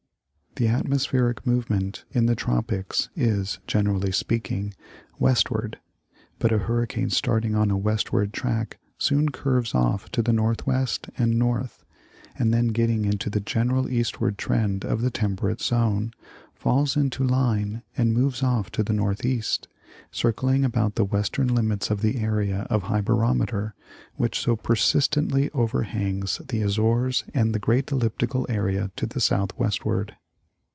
The atmospheric movement in the tropics is, generally speaking, west ward, but a hurricane starting on a westward track soon curves off to the northwest and north, and then getting into the general east ward trend of the temperate zone, falls into line and moves off to the northeast, circling about the western limits of the area of high barometer which so persistently overhangs the Azores and a 42 National. Geographic Magazine. great elliptical area to the southwestward.